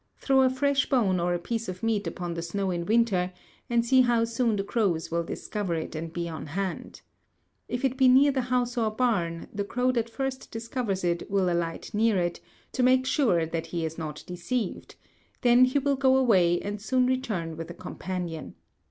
Throw a fresh bone or a piece of meat upon the snow in winter, and see how soon the crows will discover it and be on hand. If it be near the house or barn, the crow that first discovers it will alight near it, to make sure that he is not deceived; then he will go away and soon return with a companion.